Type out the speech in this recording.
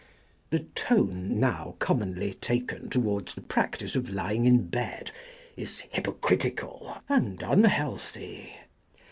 •The tone nov\r commonly taken towards the practice of lying in bed is hypocritical and unhealthy.